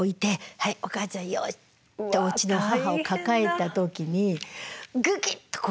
はいおかあちゃんよし」ってうちの母を抱えた時にグキッとこう来たんですよ。